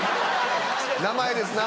名前です。